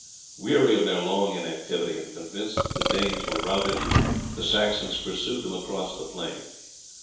Weary of their long inactivity, and convinced that the Danes were routed, the Saxons pursued them across the plain.